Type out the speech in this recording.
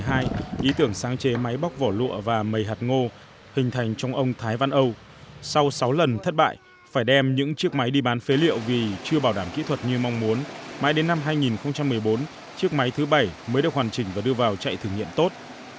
năm hai nghìn hai máy bóc vỏ lụa và mầy hạt ngô hình thành trong ông thái văn âu sau sáu lần thất bại phải đem những chiếc máy đi bán phế liệu vì chưa bảo đảm kỹ thuật như mong muốn mãi đến năm hai nghìn một mươi bốn chiếc máy thứ bảy mới được hoàn chỉnh và đưa vào chạy thử nghiệm tốt